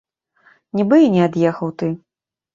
Нібы і не ад'ехаў ты.